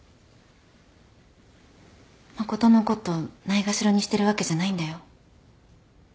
誠のことないがしろにしてるわけじゃないんだよ。